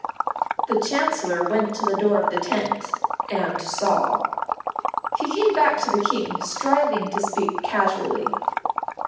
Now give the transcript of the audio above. The Chancellor went to the door of the tent and saw. He came back to the King, striving to speak casually.